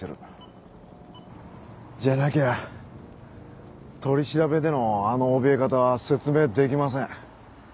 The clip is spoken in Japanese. じゃなきゃ取り調べでのあのおびえ方は説明できません。